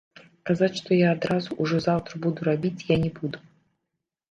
Казаць, што я адразу, ужо заўтра, буду рабіць, я не буду.